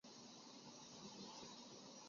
小兜翼蝠属等之数种哺乳动物。